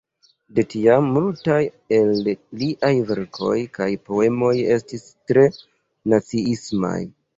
De tiam multaj el liaj verkoj kaj poemoj estis tre naciismaj.